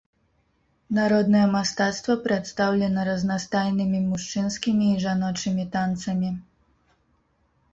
Народнае мастацтва прадстаўлена разнастайнымі мужчынскімі і жаночымі танцамі.